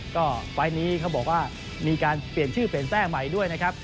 ก็ไฟล์นี้เขาบอกว่ามีการเปลี่ยนชื่อเปลี่ยนแทรกใหม่ด้วยนะครับ